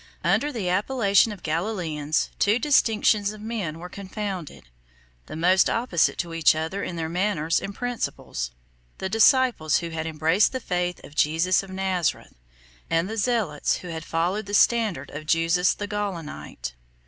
Under the appellation of Galilæans, two distinctions of men were confounded, the most opposite to each other in their manners and principles; the disciples who had embraced the faith of Jesus of Nazareth, 41 and the zealots who had followed the standard of Judas the Gaulonite.